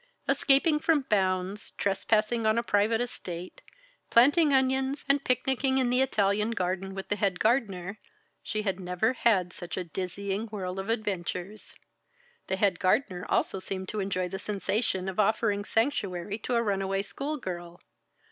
Escaping from bounds, trespassing on a private estate, planting onions, and picnicking in the Italian garden with the head gardener she had never had such a dizzying whirl of adventures. The head gardener also seemed to enjoy the sensation of offering sanctuary to a runaway school girl.